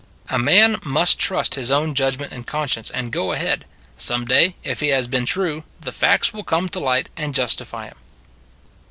" A man must trust his own judgment and conscience, and go ahead. Some day, if he has been true, the facts will come to light and justify him."